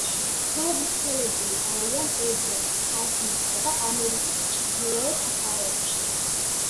გავრცელებული არიან ევროპის, აზიისა და ამერიკის ჩრდილოეთ მხარეებში.